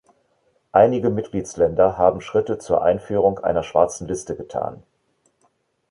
Einige Mitgliedsländer haben Schritte zur Einführung einer schwarzen Liste getan.